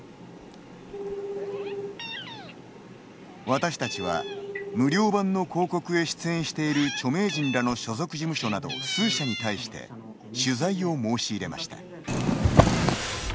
私たちは、無料版の広告へ出演している著名人らの所属事務所など数社に対して取材を申し入れました。